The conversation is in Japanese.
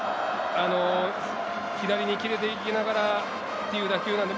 左に切れていきながら、という打球なので。